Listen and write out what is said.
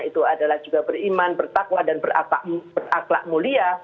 itu adalah juga beriman bertakwa dan berakhlak mulia